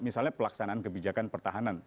misalnya pelaksanaan kebijakan pertahanan